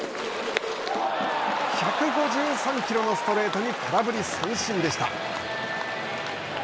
１５３キロのストレートに空振り三振でした。